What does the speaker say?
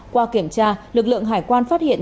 qua kiểm tra lực lượng hải quan phát hiện